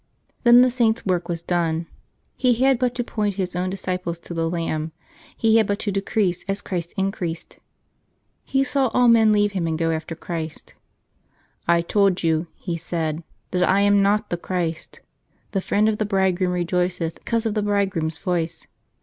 Then the Saint's work was done. He had but to point his own disciples to the Lamb, he had but to decrease as Christ increased. He saw all men leave him and go after Christ. " I told you," he said, " that I am not the Christ. The friend of the Bridegroom rejoiceth because of the Bridegroom's voice.